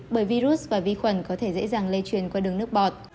bởi virus và vi khuẩn có thể dễ dàng lây truyền qua đường nước bọt